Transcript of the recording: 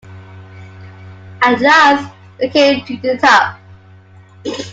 At last they came to the top.